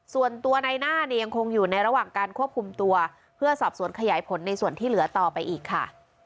ส่วนตัวในหน้าเนี่ยยังคงอยู่ในระหว่างการควบคุมตัวเพื่อสอบสวนขยายผลในส่วนที่เหลือต่อไปอีกค่ะ